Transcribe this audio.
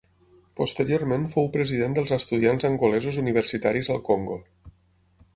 Posteriorment fou president dels estudiants angolesos universitaris al Congo.